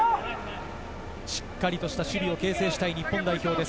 しっかり守備を形成したい日本です。